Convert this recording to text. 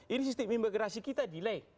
ini sistem imigrasi kita delay